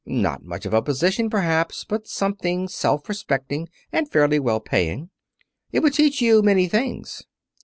Not much of a position, perhaps, but something self respecting and fairly well paying. It would teach you many things.